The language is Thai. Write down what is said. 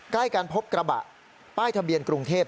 ใกล้กันพบกระบะป้ายทะเบียนกรุงเทพ